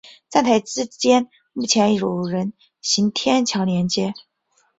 站台之间目前有人行天桥连接。